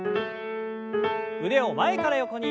腕を前から横に。